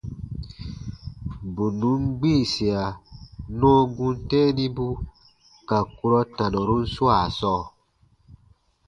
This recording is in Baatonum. Bù nùn gbiisia nɔɔ gum tɛ̃ɛnibu ka kurɔ tanɔrun swaa sɔɔ.